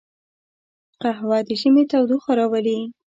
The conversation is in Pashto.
قهوه د ژمي تودوخه راولي